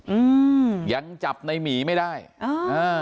อื้มยังจับเนี้ยหรือไม่ได้อ่า